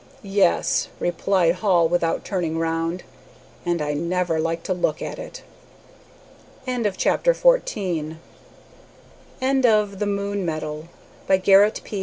"Yes," replied Hall, without turning round, "and I never like to look at it." End of the Project Gutenberg EBook of The Moon Metal, by Garrett P.